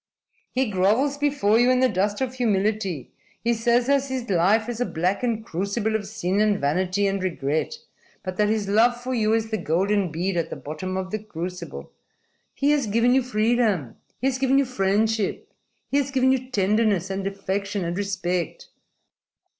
"He grovels before you in the dust of humility. He says that his life is a blackened crucible of sin and vanity and regret, but that his love for you is the golden bead at the bottom of the crucible. He has given you freedom. He has given you friendship. He has given you tenderness and affection and respect."